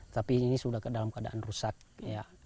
tapi ini sudah dalam keadaan rusak ya